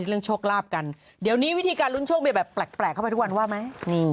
โชคลาภกันเดี๋ยวนี้วิธีการลุ้นโชคมีแบบแปลกเข้าไปทุกวันว่าไหม